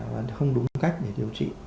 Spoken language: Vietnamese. và không đúng cách để điều trị